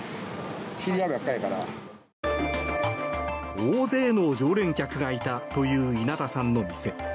大勢の常連客がいたという稲田さんの店。